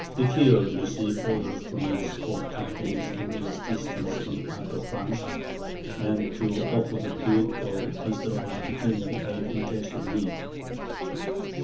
Feuquieres received orders from his court to promise every assistance on the part of France, and to offer the duke a considerable pecuniary aid in case of need.